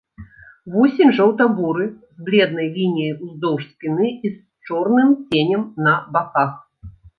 Вусень жоўта-буры, з бледнай лініяй уздоўж спіны і з чорным ценем на баках.